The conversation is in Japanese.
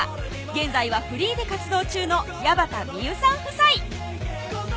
現在はフリーで活動中の矢端名結さん夫妻